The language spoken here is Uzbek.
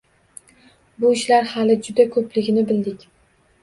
Bu ishlar hali juda ko‘pligini bildik.